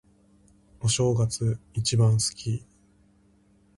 お正月、一番好き。